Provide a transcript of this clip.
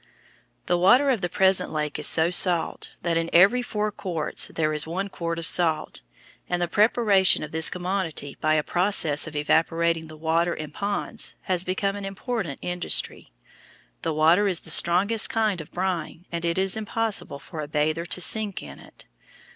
The water of the present lake is so salt that in every four quarts there is one quart of salt, and the preparation of this commodity by a process of evaporating the water in ponds has become an important industry. The water is the strongest kind of brine and it is impossible for a bather to sink in it.